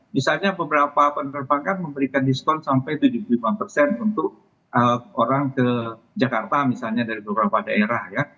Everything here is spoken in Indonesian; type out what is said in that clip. misalnya beberapa penerbangan memberikan diskon sampai tujuh puluh lima persen untuk orang ke jakarta misalnya dari beberapa daerah ya